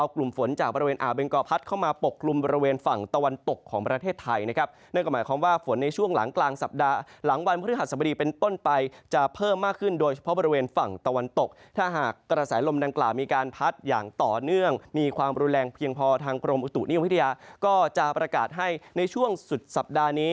กลุ่มฝนจากอาเมงกอพัดเข้ามาปกลุ่มฝั่งตะวันตกของประเทศไทยนะครับ